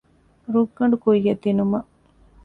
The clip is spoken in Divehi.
ރުއްގަނޑު ކުއްޔަށް ދިނުމަށް